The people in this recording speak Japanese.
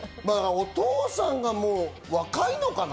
お父さんが若いのかな？